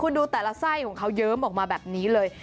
คุณดูแต่ละไส้ของเขาเยิ้มออกมาแบบนี้เลย